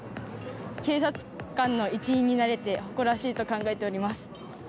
警察官の一員になれて誇らしいと考えております。